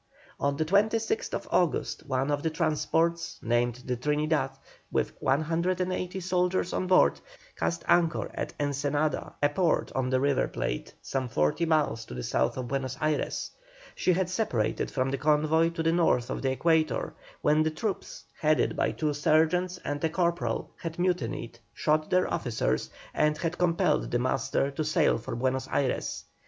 On the 26th August one of the transports named the Trinidad, with 180 soldiers on board, cast anchor at Ensenada, a port on the River Plate, some forty miles to the south of Buenos Ayres. She had separated from the convoy to the north of the equator, when the troops, headed by two sergeants and a corporal, had mutinied, shot their officers, and had compelled the master to sail for Buenos Ayres.